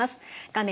画面